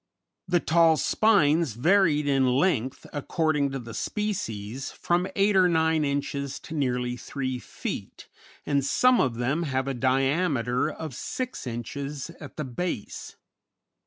The tail spines varied in length, according to the species, from eight or nine inches to nearly three feet, and some of them have a diameter of six inches at the base.